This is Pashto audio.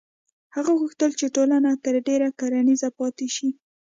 هغه غوښتل چې ټولنه تر ډېره کرنیزه پاتې شي.